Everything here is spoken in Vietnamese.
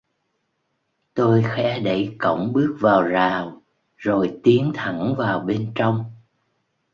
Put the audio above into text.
Tôi khẽ đẩy cổng bước vào rào, rồi tiếng thẳng vào bên trong